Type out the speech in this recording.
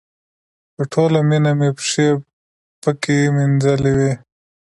په ټوله مینه مې پښې پکې مینځلې وې.